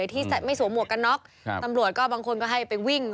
ตำรวจก็บางคนก็ให้ไปวิ่ง